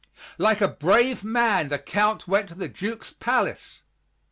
Like a brave man, the Count went to the Duke's palace.